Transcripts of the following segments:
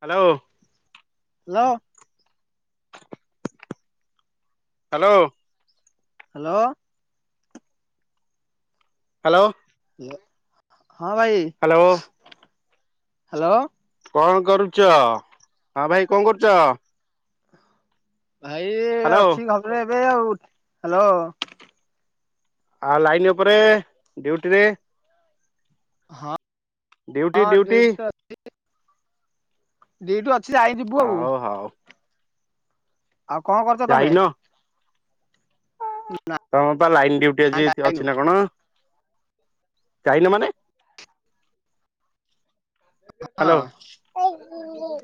Hello. Hello. Hello. Hello. Hello. ହଁ ଭାଇ hello hello. କଣ କରୁଛ। ହଁ ଭାଇ କଣ କରୁଛ। ଭାଇ ହ୍ୟାଲୋ ଅଛି ଘରେ ଏବେ ଆଉ, ହ୍ୟାଲୋ। ଆ ଲାଇନ୍ ଉପରେ ଡ୍ୟୁଟି ରେ। ହଁ। ଡିଉଟି ହଁ ଡିଉଟି। ଡିଉଟିରେ ଡିଉଟି ଅଛି ଯାଇ ଯିବୁ ଆଉ। ହଉ ହଉ ଆଉ କଣ କରୁଛ ତମେ। ତମର ତ ଲାଇନ ଡ୍ୟୁଟି ନାଁ ଅ ଯାଇନୁ ଅଛି ନା କଣ? ଯାଇନ ମାନେ? ହଁ ହ୍ୟାଲୋ,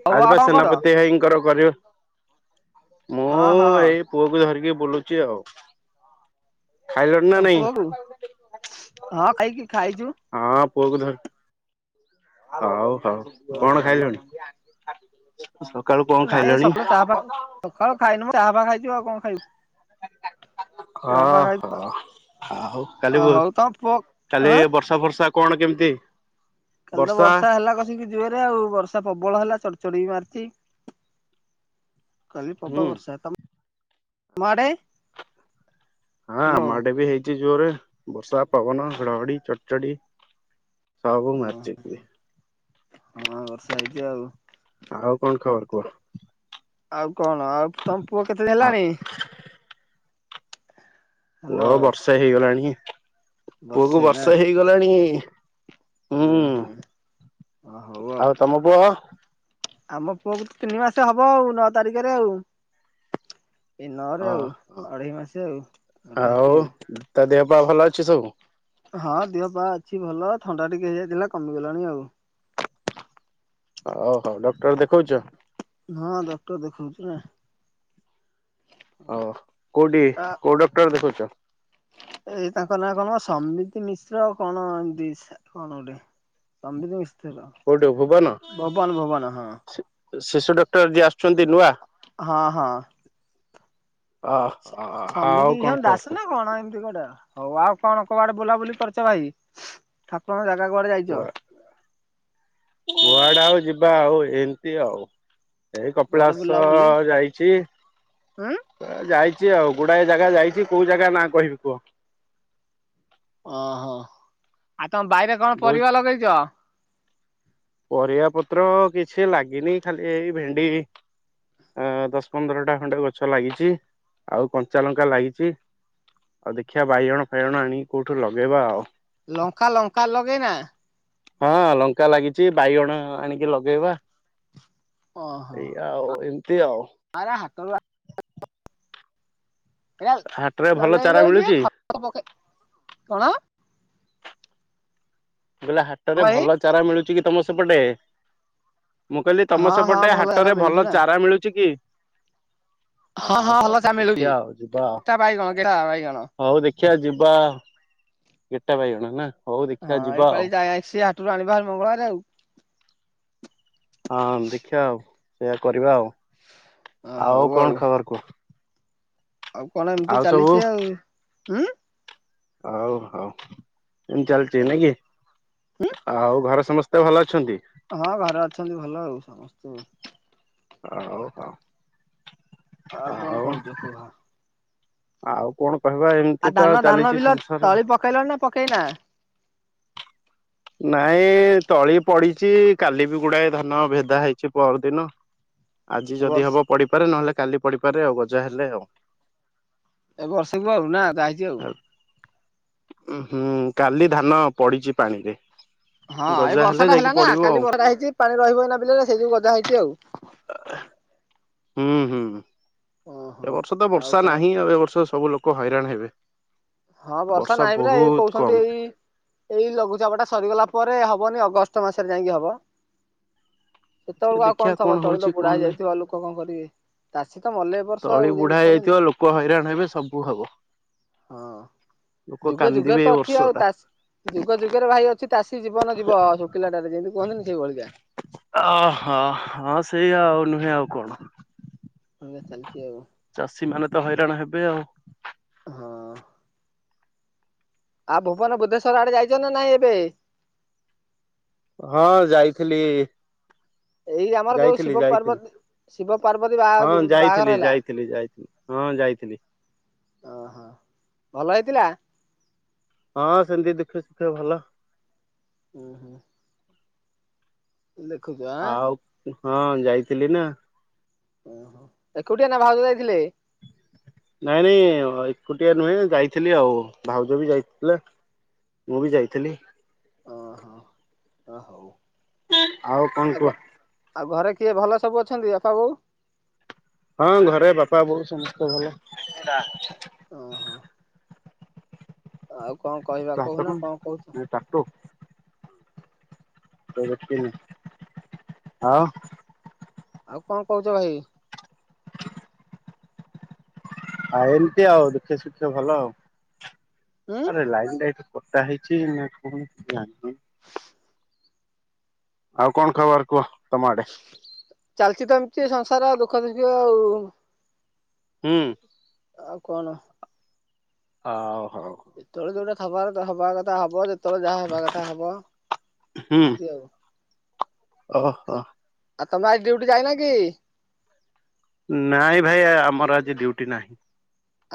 ହଉ ଆଉ ଆଜିିବା କଣ କର ସେନାପତି ଭାଇଙ୍କର କରିବ। ମୁଁ ହଁ ହଁ ଏଇ ପୁଅକୁ ଧରିକି ବୁଲୁଛି ଆଉ। ଖାଇଲଣି ନା ତମ ନାଇଁ? ପୁଅକୁ ହଁ ଖାଇକି ଖାଇଛୁ ହଁ। ପୁଅ କୁ ଧର। ହଉ ହଉ ଓ କଣ ହଉ ଖାଇଲୁଣି। ନାଇଁ ଏ ସକାଳୁ ଚାହା ଫାହା ସକାଳୁ ଖାଇନୁ ଚାହା ଫାହା ଖାଇଚୁ ଆଉ କଣ ଖାଇବୁ। [inaudible] ଚାହା ଫା ଖାଇଛୁ ହଁହୋ ଆଉ କାଲି ହଉ ତମ ପୁଅ କାଲି ଆଁ ବର୍ଷା ଫର୍ଷା କଣ କେମିତି? କାଲି ତ ବର୍ଷା ହେଲା କସିକି ଜୋରରେ ଆଉ ବର୍ଷା ପ୍ରବଳ ହେଲା ଚଡ଼ ଚଡି ବିି ମାର ଚି କାଲିି ପ୍ରବ ହୁଁ ବର୍ଷା ତମ ମ ଆଡେ? ହଁ ଆମ ହ୍ୟାଲୋ ଆଡେ ବି ହେଇଛି ଜୋରରେ ବର୍ଷା ପବନ ଘଡ ଘଡି ଚଡ଼ ଚଡି। ସବୁ ଓହୋ ମାରିଛି କି। ହଁ ବର୍ଷା ହେଇଚି ଆଉ। ଆଉ କଣ ଖବର କୁହ। ଆଉ କଣ ଆଉ ତମ ପୁଅ କେତେ ଆଉ ହେଲାଣି? ହାଲୋ ପୁଅ ବର୍ଷେ ହେଇଗଲାଣି। ପୁଅ କୁ ବର୍ଷେ ହେଇଗଲାଣି। ହୁଁ ହୁଁ ଓ ହଉ ତମ ଆଉ। ପୁଅ ଅ ଆମ ପୁଅକୁ ତ ତିନି ମାସ ହବ ଆଉ ନଅ ତାରିଖରେ ଆଉ। ଏଇ ନଅରେ ଆଉ ହଁ ହ ଅଢେଇ ମାସ ଆଉ। ଘରେ ହେଇଛି ଆଉ ତା ଦେହପା ଭଲ ଅଛି ସବୁ। ହଁ ଦିହପା ଅଛି ଭଲ ଥଣ୍ଡା ଟିକେ ହେଇଯାଇଥିଲା କମିଗଲାଣି ଆଉ। ହଉ ହଉ ଡକ୍ଟର ଦେଖଉଛ? ହଁ ଡକ୍ଟର ଦେଖଉଛି ନା। ହଉ କୋଉଠି କୋଉ ଡକ୍ଟର ଦେଖଉଛ? ଏ ତାଙ୍କ ନାଁ କଣ ସମିତି ମିଶ୍ର କଣ ଏମତି କଣ ଗୋଟେ ସମିତ ମି କୋଉଠି ଭୁବନ? ହଁ ଶି ଶିଶୁ ଡକ୍ଟର ଯିଏ ଆସୁଛନ୍ତି ନୂଆ। ହଁ ହଁ। ଅ ସମ୍ ଆଉ ସମବିିତ କଣ ଖବର ଦାସ କୁହ? ନା କଣ ଏମିତି କୁଟା ଆଉ। ହଉ ଆଉ କଣ କୁଆଡେ ବୁଲାବୁଲି କରିଛ ଭାଇ। ଠାକୁରଙ୍କ ଜାଗା କୁଆଡେ ଯାଇଛ। କୁଆଡେ ଆଉ ଯିବା ଆଉ ଏମିତି ଆଉ। ଏଇ କୁଆଡେ କପିଳାସ ବୁଲାବୁଲି ଯାଇଛି ଉଁ ଯାଇ ଛି ଆଉ ଗୁଡାଏ ଜାଗା ଯାଇଛି କୋଉ ଜାଗା ନା କହିବି କୁହ? ଓହୋ ଆଉ ତମ ବାଇରେ କଣ ବହୁତ ପରିବା ଲଗେଇଛ? ପରିବା ପତ୍ର କିଛି ଲାଗିନି ଖାଲି ଏଇ ଭେଣ୍ଡି ଅ ଦଶ ପନ୍ଦରଟା ଖଣ୍ଡେ ଗଛ ଲାଗିଛି ଆଉ କଞ୍ଚା ଲଙ୍କା ଲାଗିଛି। ଆଉ ଦେଖିବା ବାଇଗଣ ଫାଇଗଣ ଆଣିକି କୋଉଠୁ ଲଗେଇବା ଆଉ? ଲଙ୍କା ଲଙ୍କା ଲଗେଇ ନା? ହଁ ଲଙ୍କା ଲାଗିଛି ବାଇଗଣ ଆଣିକି ଲଗେଇବା। ଓହୋ ଏଇା ଆଉ ଏମିତି ଆଉ। ଆରେ ହାଟରୁ ହାଟରେ ଭଲ ଦଉଛି ଚାରା [unintelligible] ମିଳୁଛି? ଖତ ପକେଇ କଣ ବୋଲେ ହାଟ ରେ ଭାଇ ଭଲ ଚାରା ମିଳୁଛି କି ତମ ସେପଟେ? ମୁଁ କହିଲି ତମ ହଁ ହଁ ସେପଟେ ଭଲ ହାଟ ଚାରା ରେ ମିଳୁଛି ଭଲ ନା ଚାରା ମିଳୁଛି କି? ହଁ ହଉ ହଁ ହଉ ଭଲ ଚାରା ମିଳୁଛି। ଦେଖିବା ଆଉ ଯିବା ଆଉ ଗେଟା ବାଇଗଣ ଗେଟା ବାଇଗଣ ହଉ ଦେଖିବା ଯିବା। ଗେଟା ବାଇଗଣ ନା ହଉ ଦେଖିବା ଯି- କାଳେ ଯାଇ ସିଏ ହାଟରୁ ଆଣିବା ମଙ୍ଗଳବାରେ ଆଉ। ହଁ ଦେଖିବା ଆଉ ସେଇୟା କରିବା ଆଉ ଅ ହଉ ଆଉ କଣ ଖବର କୁହ? ଆଉ କଣ ଏମିତି ଆଉ ସବୁ ଚାଲିଛି ଆଉ ହୁଁ। ହଉ ହଉ କେମତି ଚାଲିଛି ନାଇ କି ଆଉ ଘର ସମସ୍ତେ ଭଲ ଅଛନ୍ତି? ହଁ ଘରେ ଅଛନ୍ତି ଭଲ ଆଉ ସମସ୍ତେ ଆଉ ହଉ ହଉ ଆଉ କଣ କହୁଛ କୁହ? ଆଉ ଆଉ କଣ କହିବା ଆଉ ଏମିତି ତ ଧାନ ଧାନ ଚାଲିଛି ବିଲ ସଂସାର। ତଳି ପକେଇଲଣି ନା ପକେଇନା? ନାଇଁ ତଳି ପଡିଛି କାଲି ବି ଗୁଡାଏ ଧାନ ଭେଦା ହେଇଛି ପର ଦିନ। ଆଜି ଏ ଯଦି ବର୍ଷ ହବ ପଡିିପାରେ ନହେଲେ କାଲି ପଡିପାରେ ଆଉ ଗଜା ହେଲେ ଆଉ। ଏ ବର୍ଷାକୁ ଆଉ ନା ଲଗା ହେଇଛି ଆଉ। ହୁଁ କାଲି ଧାନ ପଡିଛି ପାଣି ରେ। ହଁ ଏଇ ବର୍ଷା ଟା ହେଲା ନା କାଲି ଆଉ ବର୍ଷାଟା ହେଇଛି ପାଣି ରହିବ କି ନା ବିଲ ସେଇ ଯୁ ଗଜା ହେଇଛି ଆଉ। ହୁଁ ହୁଁ ଓହୋ ଏ ବର୍ଷ ତ ଆଉ ବର୍ଷା କଣ ନାହିଁ ଆଉ ଏ ବର୍ଷ ସବୁ ଲୋକ କ ହଇରାଣ ହେବେ। ହଁ ବର୍ଷା ନାହିଁ ପରା ଏଇ ବହୁତ କହୁଛନ୍ତି କମ୍। ଏଇ ଏଇ ଲଘୁଚାପ ଟା ସରିଗଲା ପରେ ହବନି। ଅଗଷ୍ଟ ମାସରେ ଯାଇକି ହବ। ସେ ସେତେବେଳକୁ ଆଉ ଦେଖିବା କଣ ଥବ ତଳି ହଉଛି ତ ବୁଢା କଣ ନାହିଁ। ହେଇଯାଇଥିବ ଲୋକ କଣ କରିବେ? ତ ମଲେ ଏ ବର୍ଷ ତଳି ଆଉ ବୁଢା ଯେମିତି ହେଇ କୁହନ୍ତିନି ଯାଇଥିବ ଲୋକ ହଇରାଣ ହେବେ ସବୁ ହବ। ହଁ। ଲୋକ ଯୁଗ ଯୁଗ କାନ୍ଦିବେ ଏ ତ ବର୍ଷ ଅଛି ଆଉ ଟା। ତାସ ଯୁଗ ଯୁଗରେ ଭାଇ ଅଛି ଚାଷୀ ଜୀବନ ଯିବ ଶୁଖିଲା ଟାରେ ଯେମିତି କୁହନ୍ତିନି ସେଇ ଭଳିିକା। ଅହ ହଁ ସେଇଆ ଆଉ ନୁହେଁ ଆଉ କଣ? ଚାଲିଛି ଆଉ ଚାଷୀ ମାନେ ତ ହଇରାଣ ହେବେ ଆଉ। ହଁ ଆଉ ଭୁବନ ବୁଧେଶ୍ଵର ଆଡେ ଯାଇଛ ନା ନାଇଁ ଏବେ? ହଁ ଯାଇଥିଲି। ଏଇ ଆମର ଯୋଉ ଶିବ ଯାଇଥିଲି ଯାଇଥିଲି ପାର୍ବତୀ ଶିବ ପାର୍ବତୀ ବାହା ହଁ ବାହାଘର ଯାଇଥିଲି ହେଲା ଯାଇଥିଲି ଯାଇଥିଲି ହଁ। ଯାଇଥିଲି। ଓହୋ ଭଲ ହେଇଥିଲା? ହଁ ସେମତି ଦୁଃଖେ ଶୁଖେ ଭଲ। ହୁ ହୁ। ଲେଖୁଛୁ ଆଁ। ଆଉ ହଁ ଯାଇଥିଲି ନା। ଓହୋ ଏକୁଟିଆ ନା ଭାଉଜ ଯାଇଥିଲେ? ହ ନାଇଁ ନାଇଁ ଏକୁଟିଆ ନୁହେଁ, ଯାଇଥିଲି ଆଉ ଭାଉଜ ବି ଯାଇଥିଲେ। ମୁଁ ବି ଯାଇଥିଲି। ହ ଓ ହଉ। ଆଉ କଣ କୁହ? ଆଉ ଘରେ କିଏ ଭଲ ସବୁ ଅଛନ୍ତି ବାପା ବୋଉ? ହଁ ଘରେ ବାପା ବୋଉ ସମସ୍ତେ ଭଲ। ଓହୋ ଆଉ କଣ କହିବା ତୋ ହାତ କହୁନା କଣ କହୁଚ? ଟାଟୁ ଆଉ ଆଉ କଣ କୋହୁଚ ଭାଇ? ଆ ଏମିତି ଆଉ ଦୁଖ ସୁଖ ଭଲ, ଆଉ ଉଁ ଆରେ ଲାଇ କଟା ହେଇଚି ନା କଣ? ଆଉ କଣ ଖବର କୁହ? ତମ ଆଡେ? ଚାଲିଚ ତ ଏମିତି ସଂସାର ଦୁଃଖ ସୁୁଖ ଆଉ। ହୁଁ। ଆଉ କଣ? ହ ହଉ ହଉ। ଯେତେବେଳେ ଯୋଉଟା ଥବ ହେବା ବେଳେ ହବ, ଯେ କେତେବେଳେ ଯାହା ହେବା କଥା ହବ, ବୁଝି ଆଉ ଓ ହୋ। ଆଉ ତମର ଆଜି ଡିଉଟି ଯାଇନା କି? ନାଇଁ ଭାଇ ଆମର ଆଜି ଡୁଟି ନାହିଁ।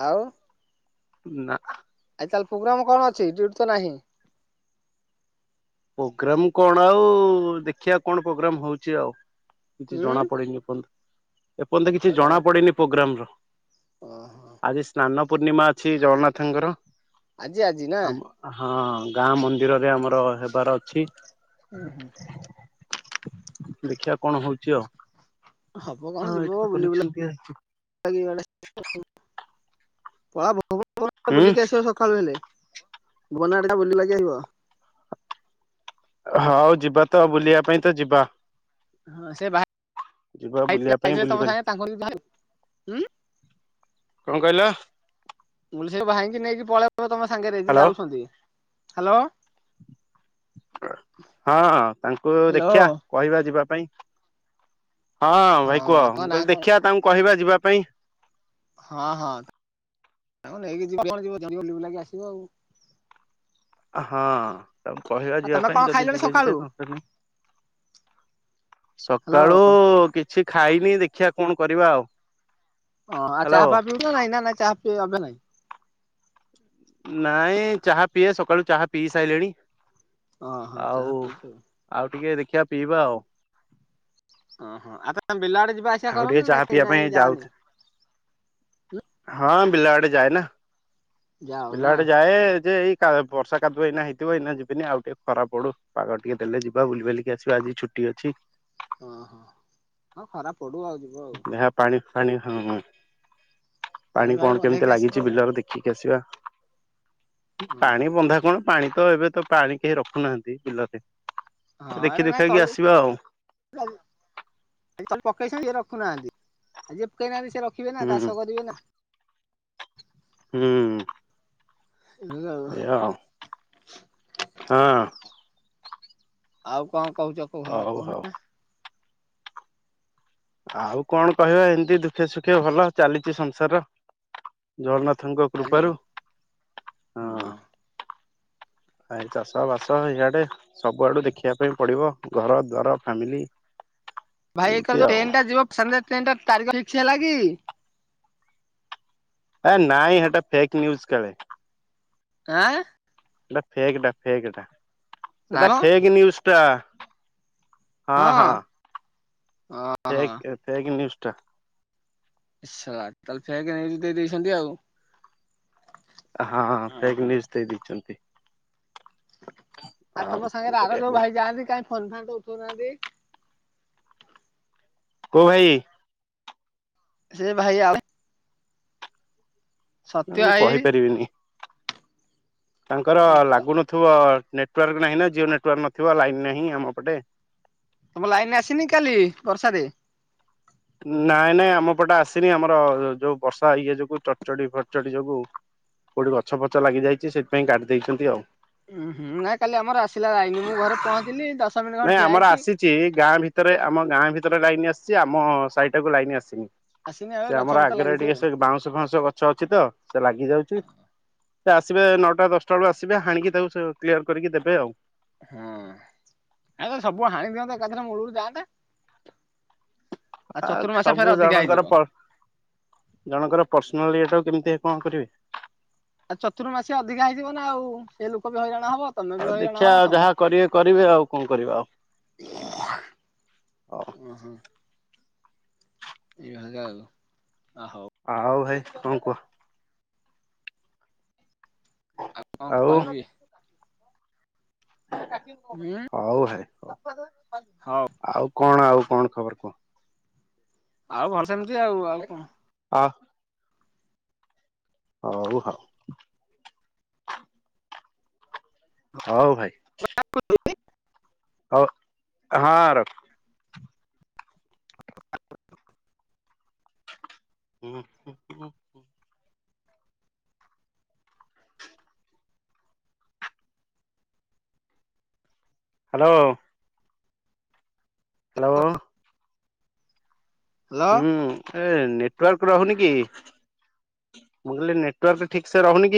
ଆଉ। ନା। ତାହଲେ ପ୍ରୋଗ୍ରାମ କଣ ଅଛି? ଡିଉଟି ତ ନାହିଁ। ପ୍ରୋଗ୍ରାମ କଣ ଆଉ ଦେଖିବା କଣ ପ୍ରୋଗ୍ରାମ ହଉଚି ଆଉ। କିଛି ହୁଁ ଜଣା ପଡନି ଏପର୍ଯ୍ୟନ୍ତ, ଏପର୍ଯ୍ୟନ୍ତ କିଛି ଜଣା ପଡନି ପ୍ରୋଗ୍ରାମ ର। ଓହୋ ଆଜି ସ୍ନାନ ପୂର୍ଣ୍ଣିମା ଅଛି ଜଗନ୍ନାଥଙ୍କର। ଆଜି ଆଜି ନା ଆମ ହଁ ଗାଁ ମନ୍ଦିରରେ ଆମର ଙ୍କର ଅଛି ହୁଁ ହୁଁ ଦେଖିବା କଣ ହୋଉଚି ଆଉ। ହବ ହଁ କଣ ଏଠି ଯିବ ତ ବୁଲି କନେକ୍ସନ ଦିଆ ବୁଲା ପଳା ଭ ହୁଁ ବୁଲିକି ଆସିବା ସକାଳୁ ହେଲେ [unintelligible] ବୁଲି ବୁଲାକି [unintelligible] ହଁ ଆଉ ଯିବା ତ ଆଉ ବୁଲିବା ପାଇଁ ତ ଯିବା। ହଁ ସେ ଯିବା ବୁଲିବା ପାଇଁ ବାଇଥିଲେ ତମ ବୁଲିବାଲି ସାଙ୍ଗେ ତାଙ୍କୁ ବି ବାହାରିବଁ କଣ କହିଲ? ମୁଁ ସେ ଭାଇକି ନେଇକି ପଳେଇବ ତମ ସାଙ୍ଗରେ ହ୍ୟାଲୋ ଯାଉଛନ୍ତି, ହ୍ୟାଲୋ। ହଁ ତାଙ୍କୁ ହ୍ୟାଲୋ ଦେଖିବା କହିବା ଯିବା ପାଇଁ। ହଁ ଭାଇ କୁହ ତମ ମୁ ନାଁ କହିଲି କଣ? ଦେଖିବା ତାଙ୍କୁ କହିବା ଯିବା ପାଇଁ। ହଁ ହଁ। ଆ ନେଇକି ଯିବି କଣ ଯିବ ଜ ଲାଗି ଆସିବ ଆଉ। ହଁ ତାୁ କହିବା ଆଉ ଯିବା ତମେ ପାଇଁ କଣ ଯଦି ଖାଇଲଣି ଯିବେ ଯିବେ ସକାଳୁ? ନ ହେଲେ ନାହିଁ। ହ୍ୟାଲୋ ସକାଳୁ କିଛି ଖାଇନି ଦେଖିବା କଣ କରିବା ଆଉ। ଓଁ ଆଉ ହ୍ୟାଲୋ। ଚାହା ଫା ପିଇ ତ ନାଇଁ ନା ନାଇଁ ଚାହା ପିଇ ଏବେ ନା ନାଇଁ ଚାହା ପିଏ ସକାଳୁ ଚାହା ପିଇ ସାରିଲେଣି। ଓହୋ ଚାହା ଆଉ ପିଉଛ ଆଉ। ଆଉ ଟିକେ ଦେଖିବା ପିଇବା ଆଉ। ଓହୋ ଆବେତେ ବିଲା ଆଡେ ଯିବା ଆସିବା ଆଉ ଟିକେ କରନି ଚାହା ନାଇଁ ପିଇବା ପାଇଁ ନାଇଁ ଯାଉଥି ଯାଆନି। ହଁ ବିଲାଆଡେ ଯାଏ ନା ଯାଅ ନା ବିଲାଡେ ଯାଏ ଯେ ଏଇ ବର୍ଷ କାଦିବ ଏଇନା ହେଇଥିବ ଏଇନା ଯିବିନି ଆଉ ଟିକେ ଖରାପ ପଡୁ ପାଗ ଟିକେ ଦେଲେ ଯିବା ବୁଲିିବାଲିକି ଆସିବା ଆଜି। ଫ୍ରିଅଛି। ଓହୋ ହଁ ଖରାପ ପଡୁ ଆଉ ଯିବ ଆଉ। ଏହା ପାଣି ହଁ ପାଣି ଫାଣି କଣ କେମିତି ବନ୍ଧେଇକି ଆସିବ ଲାଗିଛି ଆଉ। ବିଲର ଦେଖିକି ଆସିବା। ଓହୋ ହଁ ପାଣି ବନ୍ଧା କଣ ପାଣି ତ ଏବେ ତ ପାଣି କେହି ରଖୁନାହାନ୍ତି ବିଲରେ। ଦେଖି ହଁରେ ନାଇଁ ଦୁଖାକି ତଲି। ଆସିବା ଆଉ ଏ ରଖୁନାହାନ୍ତି ଆଉ ଯିଏ ପକେ ହିନାହାନ୍ତି ସିଏ ରଖିବେ ନା ହୁଁ। ଚାଷ କରିବେ ନା। ହୁଁ। ଆଉ। ଏୟା ଅଉ ହିଁ। ଆଉ କଣ କହୁଛ ହଁ ହଉ ହଉ। କହୁନୁନା? ଆଉ କଣ କହିବା ଏମିତି ଦୁଃଖେ ସୁଖେ ଭଲ ଚାଲିଛି ସଂସାର [inaudible] ହଁ ପ୍ରଭୂଙ୍କକୃପାରୁ ହଁ। ଆ ଚାଷ ବାସ ଏଇଆଡେ ସବୁଆଡୁ ଦେଖିବା ପାଇଁ ପଡିବ ଘର ଦ୍ୱାର ଫାମିଲି। ଭାଇ ଏକରେ ଟ୍ରେନ ଟା ଯିବନ୍ଧ୍ୟା ଟ୍ରେନ ଟା ତାରିଖଫିକକ୍ସ ହେଲା କି? ଏ ନାଇଁ ହେଟା ଫେକ୍ ନିୁଜ କଳେ? ଆଁ। ସେଟା ଫେକଟା ଫେକତା ନାଇଁ ସେଟା ମ ଫେକ ନିଉଜ ଟା। ହଁ ହଁ। ଓହୋ ଫେକେ ଫେକ୍ ନିୁଜ ଟା। ! ତାହେଲେ ଫେକେ ନେଇକି ଦେଇ ଦେଇେଇଚନ୍ତି ଆଉ। ହଁ ଫେକ୍ ଓହୋ ନିୁଜ ଦେଇ ଦେଇଛନ୍ତି। ଆଉ ତମ କଣ ସାଙ୍ଗରେ ଆର ଯୋଉ କରିବା ଭାଇ ଯାଆନ୍ତି କାଇହିଁ ଫୋନ ଫାନ ଉଠ ଉଠୋଉ ନାହାନ୍ତି। କୋଉ ଭାଇ? ସେ ଭାଇ ଆଉ ସତ୍ୟ ମୁଁ ଭାଇ କହିପାରିବିନି। ତାଙ୍କର ଲାଗୁନଥିବ? ନେଟୱାର୍କ ନାହିଁ ନା ଜିଓ ନେଟୱାର୍କ ନଥିବ ଲାଇନ ନାହିଁ ଆମ ପଟେ। ତମ ଲାଇନ ଆସିନି କାଲି ବର୍ଷାରେ। ନାଇଁ ନାଇଁ ଆମ ପଟେ ଆସିନି ଆମର ଯୋଉ ବର୍ଷା ଇଏ ଯୋଗୁ ଚଡଚଡି ଫଟଚଡି ଯୋଗୁ କୋଉଠି ଗଛ ଫଛ ଲାଗି ଯାଇଛି ସେଇଥିପାଇଁ କାଟିି ଦେଇେଇଛନ୍ତି ଆଉ। ଉୁଁ ହୁଁ ନାଇ କାଲି ଆମର ଆସିଲା ଳାଇନି ମୁଁ ଘରେ ପହଞ୍ଚିଲି ଦଶ ମିନିଟ ଖଣ୍ଡେ ଠିଆ ହେଇଛି। ରେ ଆମ ଗାଁ ଭିତରେ ଲାଇନ ଆସିଛି ଆମ ସାଇ ଟା କୁ ଲାଇନ୍ ଆସିନି। ଆସିନି ଏବେ ସେ ଗଛ ଆମର ଫଛ ଆଗରେ ଲାଗିଛି ଟିକେ ଆଉ। ସେ ବାଉଁଶ ଫାଉଁଶ ଗଛ ଅଛି ତ ସେ ଲାଗି ଯାଉଛି। ସେ ଆସିବେ ନଅଟା ଦଶଟା ବେଳ ଆସିବେ ହାଣିକି ତାକୁ କ୍ଲିୟର କରିକି ଦେବେ ଆଉ। ହୁଁ ଆ ସବୁ ହାଣି ଦିଅନ୍ତା ଏକାଥରେ ମୂଳରୁ ଯାଆନ୍ତା। ଆଉ ଆ ଚତୁର୍ମାସିଆ ଫେରେ ସବୁ ଅଧିକା ଜଣଙ୍କର ହେଇଯିବ। ଜଣଙ୍କର ପର୍ସନାଲି ଉ କେମିତି କଣ କରିବେ? ଆଉ ଚତୁର୍ମାସ ଅଧିକା ହେଇଯିବ ନା ଆଉ ସେ ଲୋକ ବି ହଇରାଣ। ହବ ତମେ ବି ଆଉ ହଇରାଣ ଦେଖିବା ହବ ଆଉ ଯାହା ସମସ୍ତେ କରିବେ କରିବେ ଆଉ କଣ କରିବା ଆଉ। ହଉ ଓ ହୋ। [inaudible] ଆଉ ଭାଇ କଣ କୁହ? ଆଉ କଣ କହିବି? ଉଁ ହଉ ଭାଇ। ହଉ। ହଉ। ଆଉ କଣ ଆଉ କଣ ଖବର କୁହ? ଆଉ ଭଲ ସେମିତି ଆଉ-ଆଉ କଣ? ହଉ-ହଉ। ହଉ ଭାଇ। ହଉ ହଁ ରଖ। ହୁଁ-ହୁଁ-ହୁଁ-ହୁଁ। ହ୍ୟାଲୋ। ହ୍ୟାଲୋ। ହ୍ୟାଲୋ। ହୁଁ। ଏ ନେଟୱାର୍କ ରହୁନି କି ମୁଁ କହିଲି ନେଟୱାର୍କ ଠିକ୍ ସେ ରହୁନି କି?